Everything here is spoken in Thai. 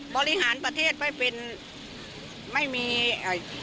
บริหารประเทศไม่เป็นไม่มีเอ่อ